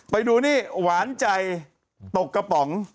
ไปดูนี่หวานใจตกกระป๋อง